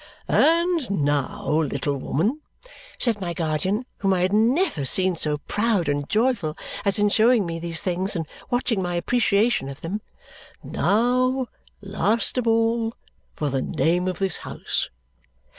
"And now, little woman," said my guardian, whom I had never seen so proud and joyful as in showing me these things and watching my appreciation of them, "now, last of all, for the name of this house."